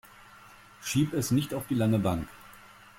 Schieb es nicht auf die lange Bank.